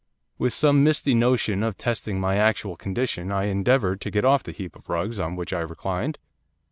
'With some misty notion of testing my actual condition I endeavoured to get off the heap of rugs on which I reclined.